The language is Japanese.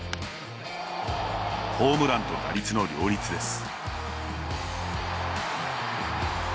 ホームランと打率の両立です。